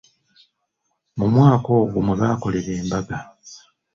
Mu mwaka ogwo mwe baakolera embaga.